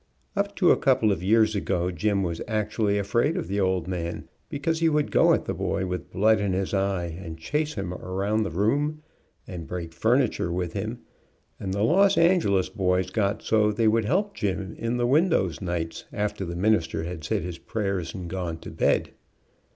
Up to a couple of years ago Jim was actually afraid of the old man, because he would go at the boy with blood in his 70 . SPARE THE CHILD AND SPOIL THE ROD eye and chase him around the room, and break fur niture with him, and the Los Angeles boys got so they would help Jim in the windows nights, after the minister had said his prayers and gone to bed.